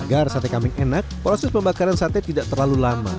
agar sate kambing enak proses pembakaran sate tidak terlalu lama